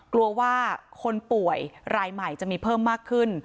กลัวว่าคนป่วยรายใหม่จะมีเพิ่มมากขึ้น